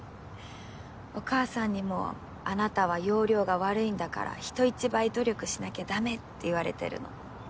お母さんにも「あなたは要領が悪いんだから人一倍努力しなきゃダメ」って言われてるの。